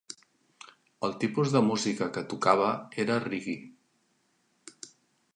El tipus de música que tocava era reggae.